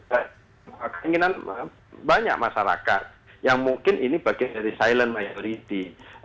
dan keinginan banyak masyarakat yang mungkin ini bagian dari silent majority